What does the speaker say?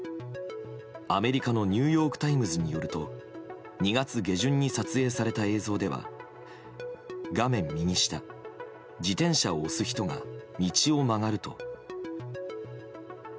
アメリカのニューヨーク・タイムズによると２月下旬に撮影された映像では画面右下自転車を押す人が道を曲がると。